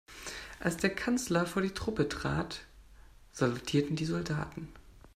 Als der Kanzler vor die Truppe trat, salutierten die Soldaten.